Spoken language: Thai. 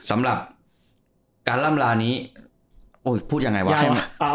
สำหรับการลำลานี้โอ้ยพูดยังไงวะยังไงวะอ่าอ่า